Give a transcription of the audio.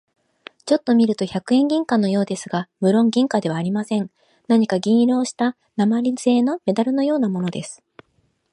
ちょっと見ると百円銀貨のようですが、むろん銀貨ではありません。何か銀色をした鉛製なまりせいのメダルのようなものです。